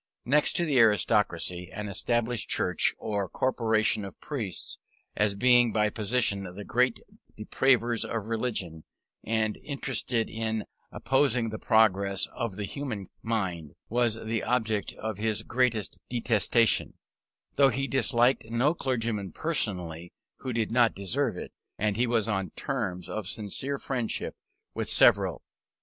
Next to aristocracy, an established church, or corporation of priests, as being by position the great depravers of religion, and interested in opposing the progress of the human mind, was the object of his greatest detestation; though he disliked no clergyman personally who did not deserve it, and was on terms of sincere friendship with several.